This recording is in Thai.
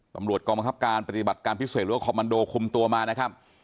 กองบังคับการปฏิบัติการพิเศษหรือว่าคอมมันโดคุมตัวมานะครับ